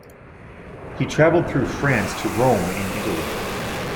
He travelled through France to Rome in Italy.